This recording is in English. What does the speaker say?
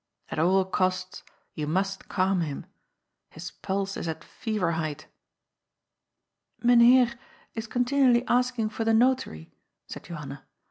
At all costs you must calm him. His pulse is at fever height." '*• Mynheer is continually asking for the Notary," said Johanna.